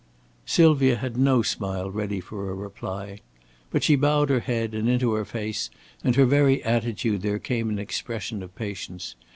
Sylvia had no smile ready for a reply. But she bowed her head, and into her face and her very attitude there came an expression of patience.